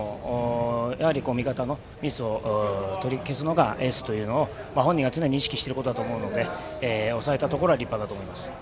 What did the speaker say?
やはり味方のミスを取り消すのがエースというのを、本人常に意識しているところだと思うので抑えたところは立派だと思います。